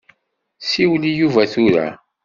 Siwel i Yuba tura.